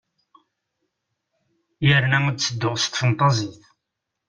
Yerna ad ttedduɣ s tfenṭazit.